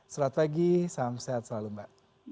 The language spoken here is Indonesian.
selamat pagi salam sehat selalu mbak